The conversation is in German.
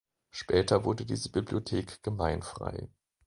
Später wurde diese Bibliothek gemeinfrei.